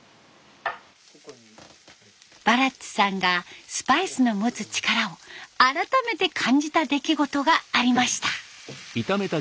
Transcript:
バラッツさんがスパイスの持つ力を改めて感じた出来事がありました。